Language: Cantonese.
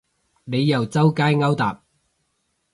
你又周街勾搭